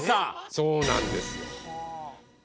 そうなんですよ。